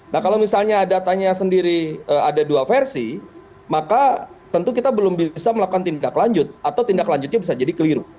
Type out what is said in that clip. nah kalau misalnya datanya sendiri ada dua versi maka tentu kita belum bisa melakukan tindak lanjut atau tindak lanjutnya bisa jadi keliru